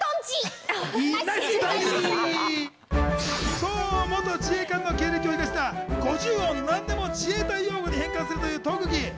そう、元自衛官の経歴を生かした５０音を何でも自衛隊用語に変換するという特技。